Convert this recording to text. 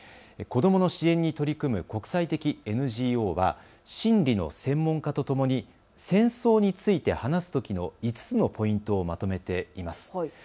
子どもの支援に取り組む国際的ＮＧＯは心理の専門家とともに戦争について話すときの５つのポイントをまとめています。